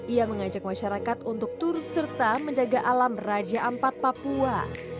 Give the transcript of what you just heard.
ia mengajak masyarakat untuk turut serta menjaga alam raja ampat papua